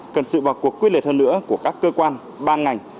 cần sự vào cuộc quyết liệt hơn nữa của các cơ quan ban ngành